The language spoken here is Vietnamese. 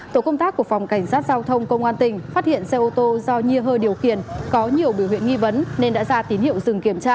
tổ công tác của phòng cảnh sát giao thông công an tỉnh phát hiện xe ô tô do nhiê điều khiển có nhiều biểu hiện nghi vấn nên đã ra tín hiệu dừng kiểm tra